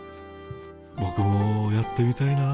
ボクもやってみたいな。